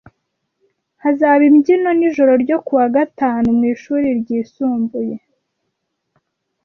Hazaba imbyino nijoro ryo kuwa gatanu mwishuri ryisumbuye.